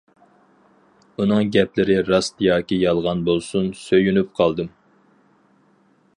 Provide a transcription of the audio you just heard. ئۇنىڭ گەپلىرى راست ياكى يالغان بولسۇن، سۆيۈنۈپ قالدىم.